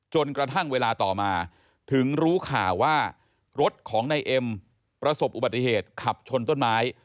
จนกระทั่งเวลาต่อมาถึงรู้ข่าวว่ารถของนายเอ็มประสบอุบัติเหตุขับชนต้นไม้